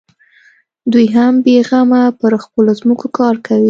دوى هم بېغمه پر خپلو ځمکو کار کوي.